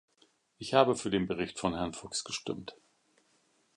Ich habe für den Bericht von Herrn Fox gestimmt.